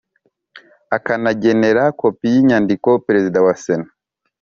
Akanagenera kopi y inyandiko perezida wa sena